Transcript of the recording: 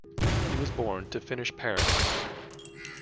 He was born to Finnish parents.